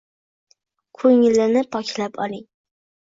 Koʻngilni poklab oling.